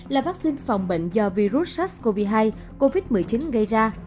là vắc xin phòng bệnh do virus sars cov hai covid một mươi chín gây ra